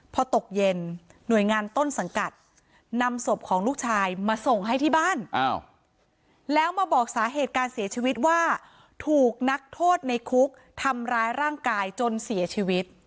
พอตกเย็นหน่วยงานต้นสังกัดนำศพของลูกชายมาส่งให้ที่บ้านแล้วมาบอกสาเหตุการเสียชีวิตว่าถูกนักโทษในคุกทำร้ายร่างกายจนเสียชีวิต